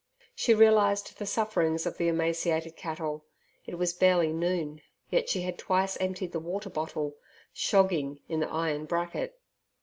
She realized the sufferings of the emaciated cattle. It was barely noon, yet she had twice emptied the water bottle "shogging" in the iron bracket.